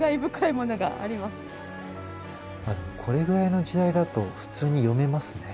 これぐらいの時代だと普通に読めますね。